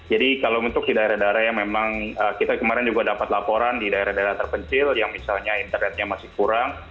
jadi kalau untuk di daerah daerah yang memang kita kemarin juga dapat laporan di daerah daerah terpencil yang misalnya internetnya masih kurang